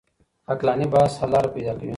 عقلاني بحث حل لاره پيدا کوي.